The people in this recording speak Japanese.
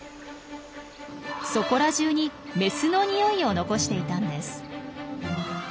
そこらじゅうにメスのにおいを残していたんです。